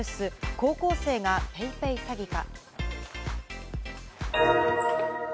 高校生がＰａｙＰａｙ詐欺か。